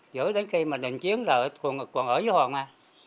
giữ đến khi mà định chiến rồi còn ở dưới hòn nha